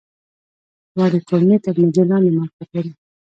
وړې کولمې تر معدې لاندې موقعیت لري.